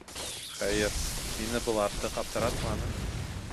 Хәйер, мине был артыҡ аптыратманы.